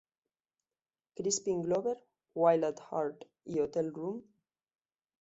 Crispin Glover: "Wild at Heart" y "Hotel Room".